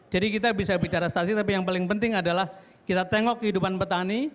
jadi kita bisa bicara statis tapi yang paling penting adalah kita tengok kehidupan petani